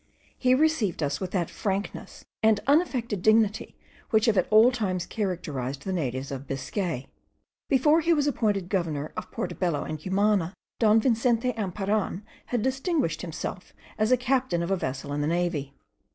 He received us with that frankness and unaffected dignity which have at all times characterized the natives of Biscay. Before he was appointed governor of Portobello and Cumana, Don Vincente Emparan had distinguished himself as captain of a vessel in the navy.